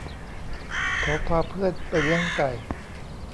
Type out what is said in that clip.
เขาพาเพื่อนไปเลี้ยงไก่